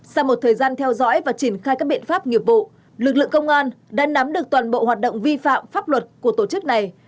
sau một thời gian theo dõi và triển khai các biện pháp nghiệp vụ lực lượng công an đã nắm được toàn bộ hoạt động vi phạm pháp luật của tổ chức này